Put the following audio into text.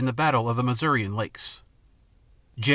12 the battle of the Mazurian Lakes. _Jan.